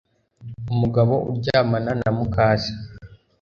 umugabo uryamana na muka se